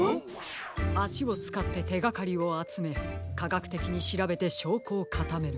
あしをつかっててがかりをあつめかがくてきにしらべてしょうこをかためる。